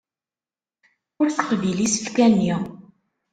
Ur teqbil isefka-nni.